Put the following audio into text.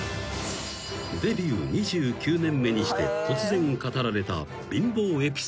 ［デビュー２９年目にして突然語られた貧乏エピソード］